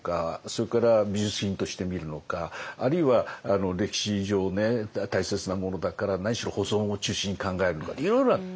それから美術品として見るのかあるいは歴史上大切なものだから何しろ保存を中心に考えるのかっていろいろある。